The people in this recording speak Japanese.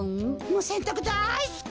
せんたくだいすき。